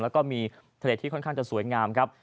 แล้วก็มีทะเลที่ค่อนข้างจะสวยงามครับ